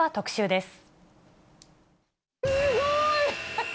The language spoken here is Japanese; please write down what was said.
すごーい！